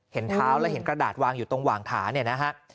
เห็นเท้าแล้วเห็นกระดาษวางอยู่ตรงหว่างถาเนี่ยนะฮะ